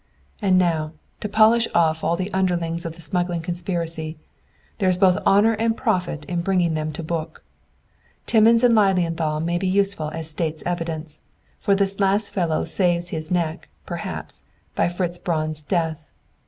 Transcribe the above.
"And now, to polish off all the underlings of the smuggling conspiracy. There is both honor and profit in bringing them to book. "Timmins and Lilienthal may be useful as State's evidence, for this last fellow saves his neck, perhaps, by Fritz Braun's death.